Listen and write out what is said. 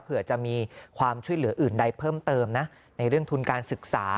เผื่อจะมีความช่วยเหลืออื่นใดเพิ่มเติมนะในเรื่องทุนการศึกษา